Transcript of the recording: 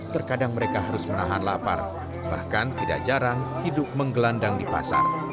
terkadang mereka harus menahan lapar bahkan tidak jarang hidup menggelandang di pasar